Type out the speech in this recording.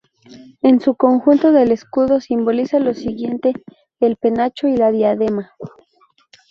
En su conjunto el escudo simboliza lo siguiente: el penacho y la diadema.